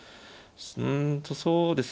うんとそうですね。